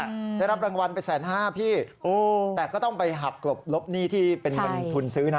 ก็๑๕๐๐๐๐ได้รับรางวัลไป๑๕๐๐๐๐พี่แต่ก็ต้องไปหับกรบลบหนี้ที่เป็นเงินทุนซื้อนะ